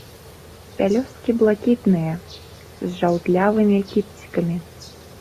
Пялёсткі блакітныя, з жаўтлявымі кіпцікамі.